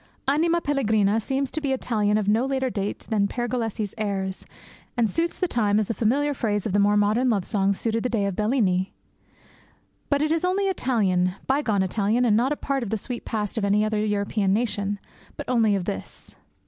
Anima pellegrina seems to be Italian of no later date than Pergolese's airs, and suits the time as the familiar phrase of the more modern love song suited the day of Bellini. But it is only Italian, bygone Italian, and not a part of the sweet past of any other European nation, but only of this.